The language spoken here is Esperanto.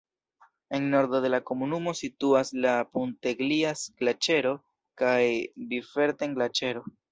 En nordo de la komunumo situas la Punteglias-Glaĉero kaj Biferten-Glaĉero.